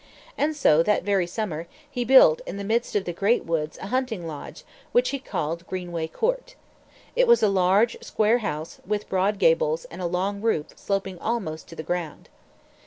And so, that very summer, he built in the midst of the great woods a hunting lodge which he called Greenway Court. It was a large, square house, with broad gables and a long roof sloping almost to the ground.